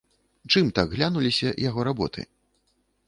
Чым так глянуліся яго работы?